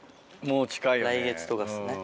来月とかっすよね。